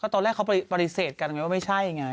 ตอนแรกเขาปฏิเสธกันไงว่าไม่ใช่ไง